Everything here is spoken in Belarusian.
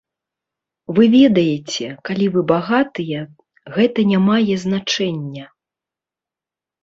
Вы ведаеце, калі вы багатыя, гэта не мае значэння.